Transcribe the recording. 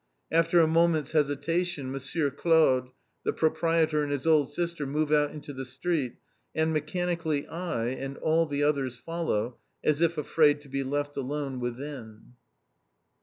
After a moment's hesitation M. Claude, the proprietor, and his old sister, move out into the street, and mechanically I, and all the others follow as if afraid to be left alone within.